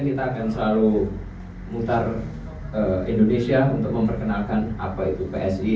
kita akan selalu mutar indonesia untuk memperkenalkan apa itu psi